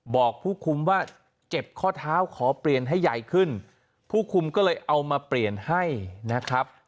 บอกผู้คุมว่าเจ็บข้อเท้าขอเปลี่ยนให้ใหญ่ขึ้นผู้คุมก็เลยเอามาเปลี่ยนให้นะครับ